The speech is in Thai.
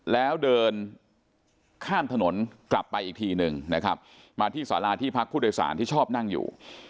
แล้วเดินข้ามถนนกลับไปอีกทีนึงนะครับมาที่สาราที่พักผู้โดยสารที่ชอบนั่งอยู่